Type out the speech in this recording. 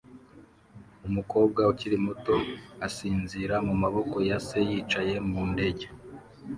Umukobwa ukiri muto asinzira mu maboko ya se yicaye mu ndege